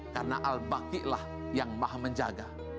karena al baki lah yang maha menjaga